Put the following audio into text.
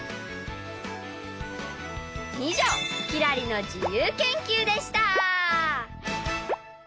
以上「きらりの自由研究」でした！